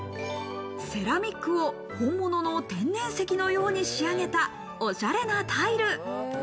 セラミックを本物の天然石のように仕上げた、おしゃれなタイル。